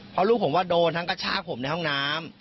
เพราะลูกผมว่าโดนทั้งกระชากผมในห้องน้ำ